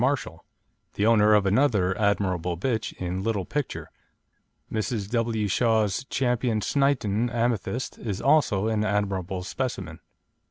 Marshall, the owner of another admirable bitch in Little Picture. Mrs. W. Shaw's Ch. Sneinton Amethyst is also an admirable specimen.